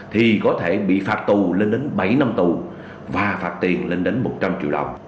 thì có thể bị phạt tù lên đến bảy năm tù và phạt tiền lên đến một trăm linh triệu đồng